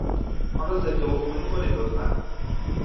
آن را ضدعفونی کنید، لطفا.